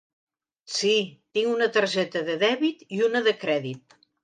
Sí, tinc una targeta de dèbit i una de crèdit.